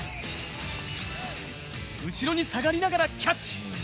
後ろに下がりながらキャッチ。